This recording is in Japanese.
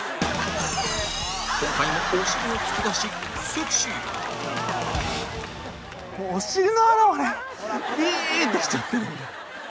今回もお尻を突き出しセクシー！ビーッてきちゃってるんで。